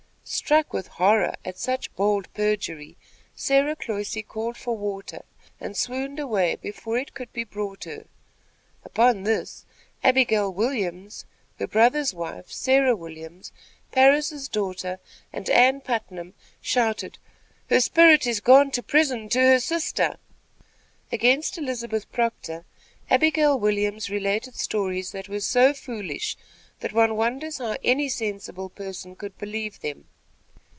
Struck with horror at such bold perjury, Sarah Cloyse called for water and swooned away before it could be brought her. Upon this, Abigail Williams, her brother's wife, Sarah Williams, Parris' daughter and Ann Putnam shouted: "Her spirit is gone to prison to her sister!" Against Elizabeth Proctor, Abigail Williams related stories that were so foolish that one wonders how any sensible person could believe them.